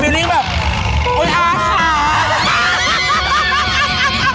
ฟิลลิ่งแบบโอ๊ยอาขาว